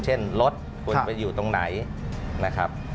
เช่นรถคุณไปอยู่ตรงไหนนะครับ